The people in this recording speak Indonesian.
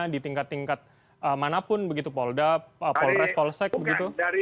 di tingkat tingkat manapun begitu polda polres polsek begitu